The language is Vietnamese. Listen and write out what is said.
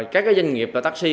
các doanh nghiệp và taxi